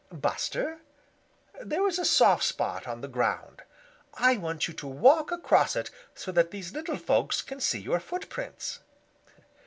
Buster, there is a soft spot on the ground; I want you to walk across it so that these little folks can see your footprints."